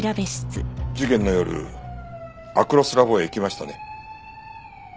事件の夜アクロスラボへ行きましたね？